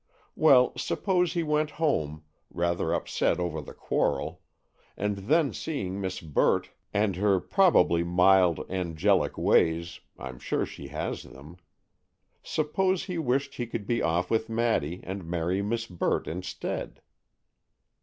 Well, suppose he went home, rather upset over the quarrel, and then seeing Miss Burt, and her probably mild, angelic ways (I'm sure she has them!)—suppose he wished he could be off with Maddy, and marry Miss Burt instead."